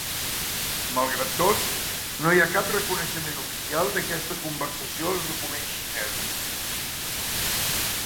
Malgrat tot, no hi ha cap reconeixement oficial d'aquesta conversació als documents xinesos.